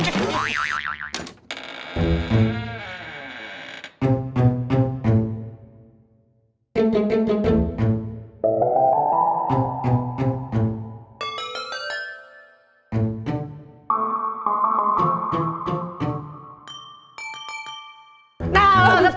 nah setelah luar